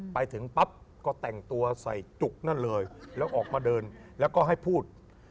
ไปถึงปั๊บก็แต่งตัวใส่จุกนั่นเลยแล้วออกมาเดินแล้วก็ให้พูด